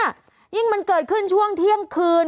ยิ่งมันเกิดขึ้นช่วงเที่ยงคืน